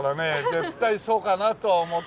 絶対そうかなと思って。